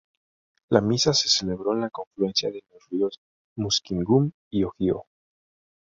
La Misa se celebró en la confluencia de los ríos Muskingum y Ohio.